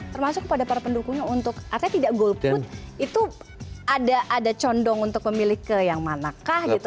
termasuk kepada para pendukungnya untuk artinya tidak golput itu ada condong untuk memilih ke yang manakah gitu